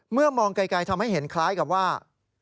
มองไกลทำให้เห็นคล้ายกับว่า